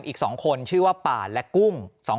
อีก๒คนชื่อว่าป่านและกุ้ง